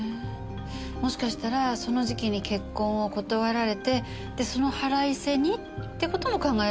もしかしたらその時期に結婚を断られてでその腹いせにって事も考えられるわよね。